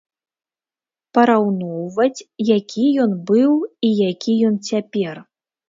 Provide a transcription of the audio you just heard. Параўноўваць, які ён быў і які ён цяпер.